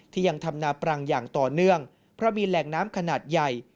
ยังทำนาปรังอย่างต่อเนื่องเพราะมีแหล่งน้ำขนาดใหญ่